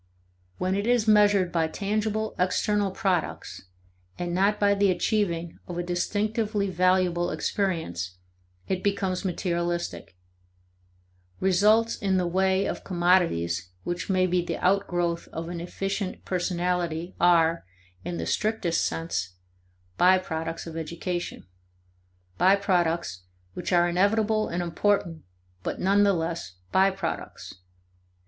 When it is measured by tangible external products, and not by the achieving of a distinctively valuable experience, it becomes materialistic. Results in the way of commodities which may be the outgrowth of an efficient personality are, in the strictest sense, by products of education: by products which are inevitable and important, but nevertheless by products.